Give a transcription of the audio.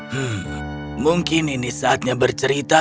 hmm mungkin ini saatnya bercerita